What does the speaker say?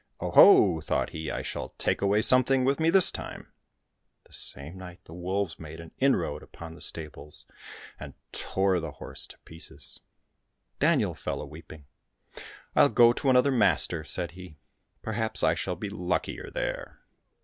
" Oh ho !" thought he, "I shall take away something with me this time !" The same night the wolves made an inroad upon the stables and tore the horse to pieces. Daniel fell a weeping. " I'll go to another master," said he, *' perhaps I shall be luckier there."